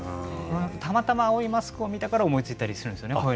たまたま青いマスクを見ながら思いついたりするんですね